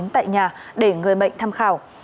tại nhà để người bệnh tham khảo